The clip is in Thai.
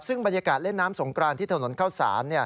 ซึ่งบรรยากาศเล่นน้ำสงกรานที่ถนนเข้าสาร